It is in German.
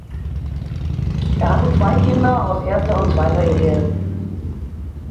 Er hatte zwei Kinder aus erster und zweiter Ehe.